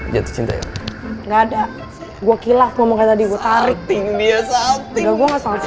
sating dia sating